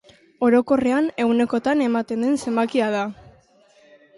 Orokorrean ehunekotan ematen den zenbakia da.